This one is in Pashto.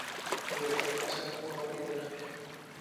انګور د افغانستان د بڼوالۍ برخه ده.